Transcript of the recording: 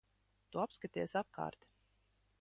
Tu apskaties apkārt.